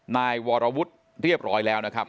นายวรวุฒิเรียบร้อยแล้วนะครับ